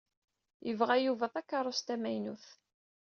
Yebɣa Yuba takeṛṛust tamaynut.